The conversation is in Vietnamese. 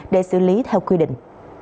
để xử lý theo quy định